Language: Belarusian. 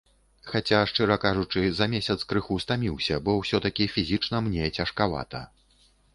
Хаця, шчыра кажучы, за месяц крыху стаміўся, бо ўсё-такі фізічна мне цяжкавата.